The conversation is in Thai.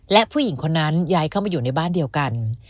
และผู้หญิงคนนั้นย้ายเข้ามาอยู่ในบ้านเดียวกัน